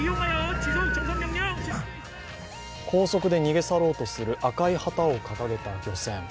高速で逃げ去ろうとする赤い旗を掲げた漁船。